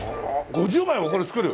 ５０枚もこれ作る！？